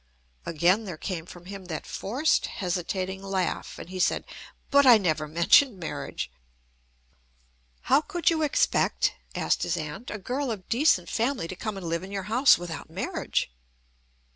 Again there came from him that forced, hesitating laugh, and he said: "But I never mentioned marriage." "How could you expect," asked his aunt, "a girl of decent family to come and live in your house without marriage?"